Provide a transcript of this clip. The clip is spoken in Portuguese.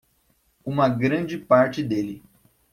uma grande parte dele